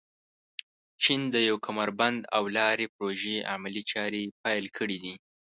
چین د یو کمربند او لارې پروژې عملي چارې پيل کړي دي.